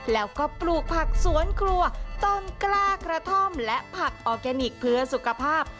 แล้วก็ปลูกผักสวนครัวต้นกล้ากระท่อมและผักออร์แกนิคเพื่อสุขภาพ